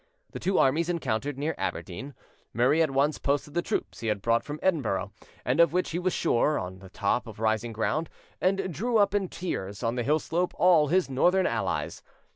The two armies encountered near Aberdeen. Murray at once posted the troops he had brought from Edinburgh, and of which he was sure, on the top of rising ground, and drew up in tiers on the hill slope all his northern allies.